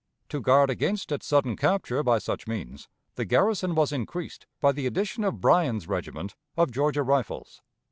To guard against its sudden capture by such means, the garrison was increased by the addition of Bryan's regiment of Georgia Rifles.